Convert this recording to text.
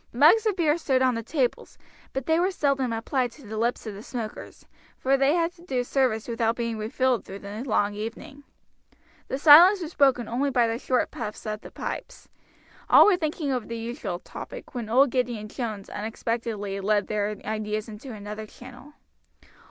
Mugs of beer stood on the tables, but they were seldom applied to the lips of the smokers, for they had to do service without being refilled through the long evening. The silence was broken only by the short puffs at the pipes. All were thinking over the usual topic, when old Gideon Jones unexpectedly led their ideas into another channel.